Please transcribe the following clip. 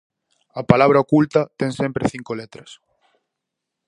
A palabra oculta ten sempre cinco letras.